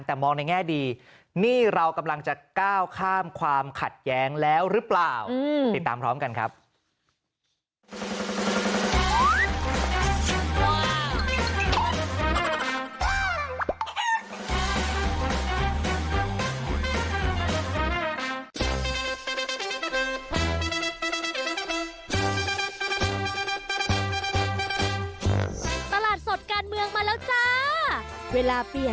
แต่มองในแง่ดีนี่เรากำลังจะก้าวข้ามความขัดแย้งแล้วหรือเปล่า